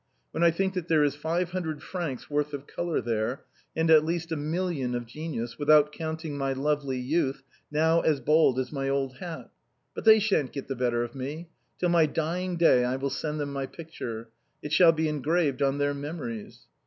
" When I think that there is five hundred francs' worth of color there, and at least a million of genius, without counting my lovely youth, now as bald as my old hat ! But they shan't get the better of me ! Till my dying day, I will send them my picture. It shall be engraved on their memories."